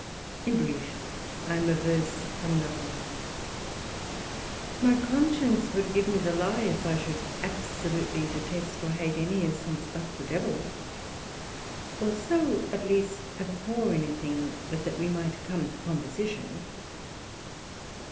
In brief, I am averse from nothing; my Conscience would give me the lye if I should absolutely detest or hate any essence but the Devil; or so at least abhor any thing, but that we might come to composition.